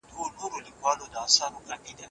دا د خلوت له مداریانو سره ښه جوړیږي